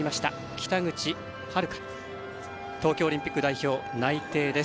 北口榛花東京オリンピック代表内定です。